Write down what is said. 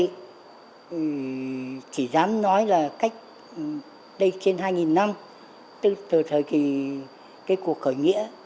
thì chỉ dám nói là cách đây trên hai năm từ thời cái cuộc khởi nghĩa